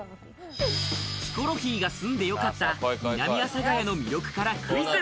ヒコロヒーが住んでよかった、南阿佐ヶ谷の魅力からクイズ！